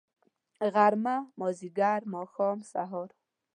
غرمه . مازدیګر . ماښام .. سهار